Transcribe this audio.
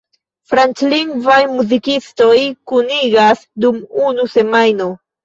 Franclingvaj muzikistoj kunigas dum unu semajno.